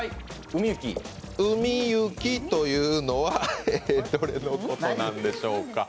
海雪というのはどれのことなんでしょうか？